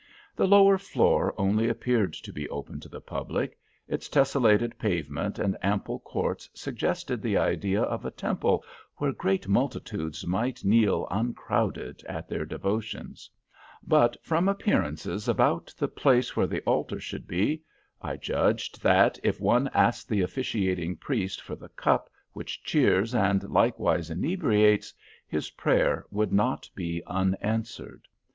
The lower floor only appeared to be open to the public. Its tessellated pavement and ample courts suggested the idea of a temple where great multitudes might kneel uncrowded at their devotions; but from appearances about the place where the altar should be, I judged, that, if one asked the officiating priest for the cup which cheers and likewise inebriates, his prayer would not be unanswered.